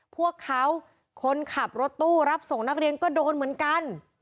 พวกเขาคนขับรถตู้รับส่งนักเรียนก็โดนเหมือนกัน